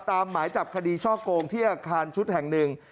หมายจับคดีช่อโกงที่อาคารชุดแห่งหนึ่ง